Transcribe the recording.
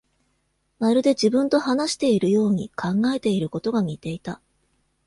まるで自分と話しているように、考えていることが似ていた